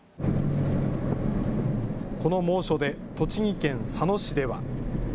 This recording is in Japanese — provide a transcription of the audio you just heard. この猛暑で栃木県佐野市では。